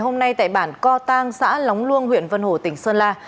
ngày hôm nay tại bản co tang xã lóng luông huyện vân hồ tỉnh sơn la